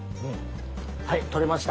はい取れました。